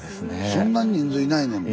そんな人数いないのに。